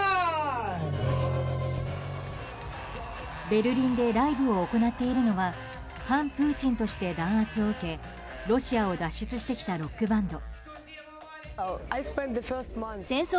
ベルリンでライブを行っているのは反プーチンとして弾圧を受けロシアを脱出してきたロックバンド。